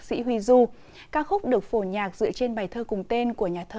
nếu subscribe kênh để nhận thông tin nhất